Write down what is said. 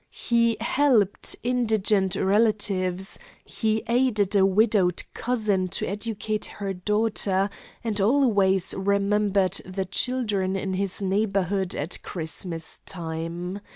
He helped indigent relatives; he aided a widowed cousin to educate her daughter, and always remembered the children in his neighbourhood at Christmas time.